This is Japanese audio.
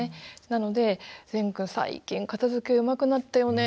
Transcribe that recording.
なので「ぜんくん最近片づけうまくなったよね。